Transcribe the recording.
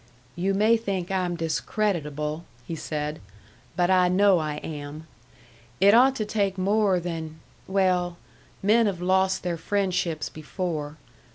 "You may think I'm discreditable," he said, "but I know I am. It ought to take more than well, men have lost their friendships before.